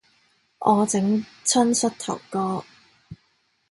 我整親膝頭哥